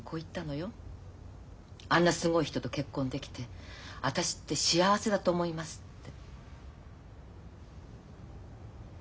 「あんなすごい人と結婚できて私って幸せだと思います」って。